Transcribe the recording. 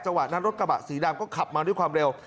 วะนั้นรถกระบะสีดำก็ขับมาด้วยความเร็ว